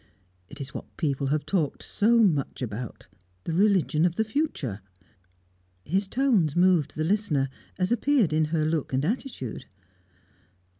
It is what people have talked so much about the religion of the future." His tones moved the listener, as appeared in her look and attitude.